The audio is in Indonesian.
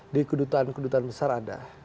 di kedutaan kedutaan besar ada